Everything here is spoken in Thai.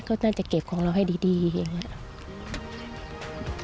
ก็น่าจะเก็บของเราให้ดีอย่างนี้